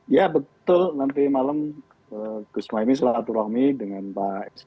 ya betul nanti malam gus maimi selatu rahmi dengan pak sb